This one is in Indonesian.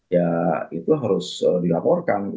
ya itu harus dilaporkan